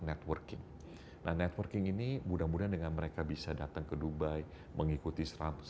networking nah networking ini mudah mudahan dengan mereka bisa datang ke dubai mengikuti